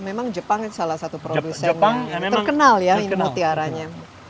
memang jepang salah satu produsen terkenal ya ini mutiaranya